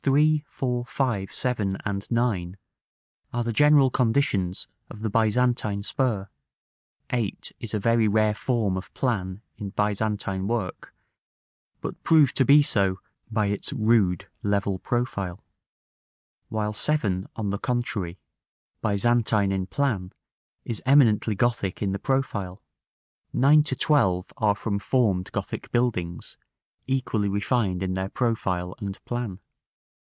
3, 4, 5, 7 and 9 are the general conditions of the Byzantine spur; 8 is a very rare form of plan in Byzantine work, but proved to be so by its rude level profile; while 7, on the contrary, Byzantine in plan, is eminently Gothic in the profile. 9 to 12 are from formed Gothic buildings, equally refined in their profile and plan.